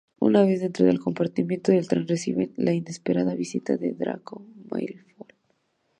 Una vez dentro del compartimiento del tren, reciben la inesperada visita de Draco Malfoy.